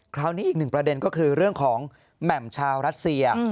คราวนี้อีกหนึ่งประเด็นก็คือเรื่องของแหม่มชาวรัสเซีย